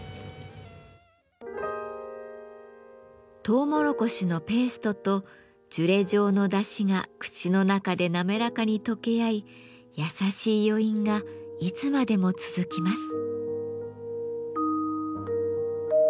とうもろこしのペーストとジュレ状のだしが口の中で滑らかに溶け合い優しい余韻がいつまでも続きます。